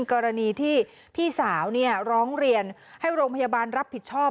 กรณีที่พี่สาวร้องเรียนให้โรงพยาบาลรับผิดชอบ